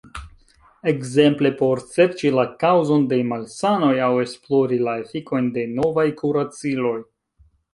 Ekzemple por serĉi la kaŭzon de malsanoj aŭ esplori la efikojn de novaj kuraciloj.